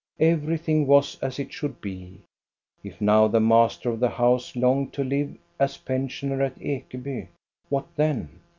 Everything was as it should be. If now the master of the house longed to live as pen sioner at Ekeby, what then?